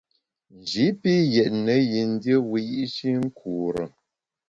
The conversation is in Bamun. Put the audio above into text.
Nji pi yètne yin dié wiyi’shi nkure.